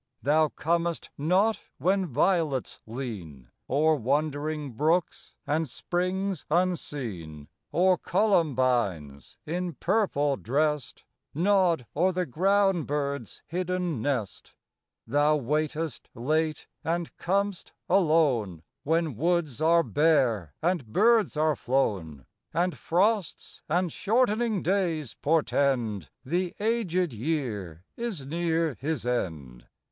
Thou comest not when violets lean O'er wandering brooks and springs unseen, Or columbines, in purple dressed, Nod o'er the ground bird's hidden nest. Thou waitest late and com'st alone, When woods are bare and birds are flown, And frosts and shortening days portend The aged year is near his end.